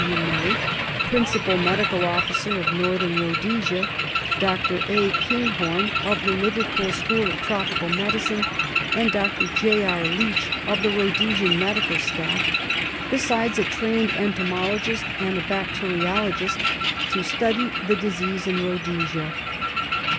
W. May, Principal Medical Ofiicer of Northern Rhodesia; Dr. A. Kinghorn, of the Liverpool School of Tropical Medicine; and Dr. J. R. Leech, of the Rhodesian Medical Staff ; besides a trained entomologist and a bacteri ologist — to study the disease in Rhodesia.